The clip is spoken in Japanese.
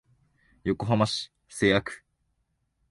横浜市瀬谷区